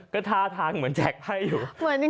ก็ท่าทางเหมือนแจกไพ่อยู่